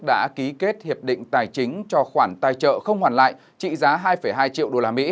đã ký kết hiệp định tài chính cho khoản tài trợ không hoàn lại trị giá hai hai triệu usd